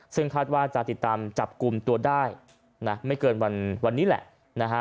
ซึ่งคาดว่าจะติดตามจับกลุ่มตัวได้นะไม่เกินวันนี้แหละนะฮะ